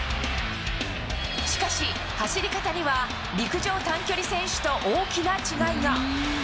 しかし、走り方には陸上短距離選手と大きな違いが。